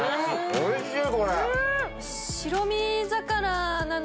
おいしい！